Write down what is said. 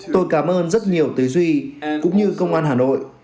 tôi cảm ơn rất nhiều tứ duy cũng như công an hà nội